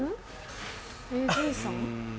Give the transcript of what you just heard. ＡＤさん？